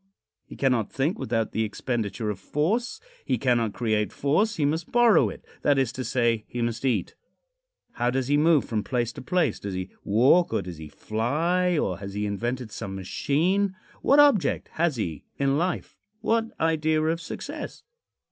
He cannot think without the expenditure of force. He cannot create force; he must borrow it that is to say, he must eat. How does lie move from place to place? Does he walk or does he fly, or has he invented some machine? What object has he in life? What idea of success?